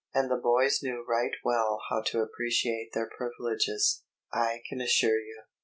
And the boys knew right well how to appreciate their privileges, I can assure you.